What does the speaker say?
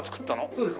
そうです。